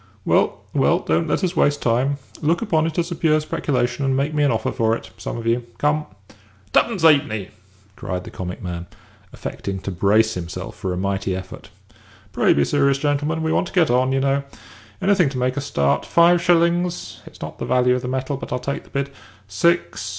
"Well, well, don't let us waste time. Look upon it as a pure speculation, and make me an offer for it, some of you. Come." "Tuppence 'ap'ny!" cried the comic man, affecting to brace himself for a mighty effort. "Pray be serious, gentlemen. We want to get on, you know. Anything to make a start. Five shillings? It's not the value of the metal, but I'll take the bid. Six.